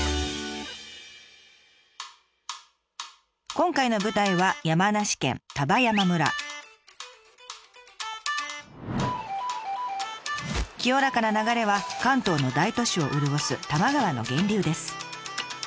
今回の舞台は清らかな流れは関東の大都市を潤す多摩川の源流です。